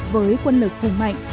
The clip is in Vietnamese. với quân lực hồng mạnh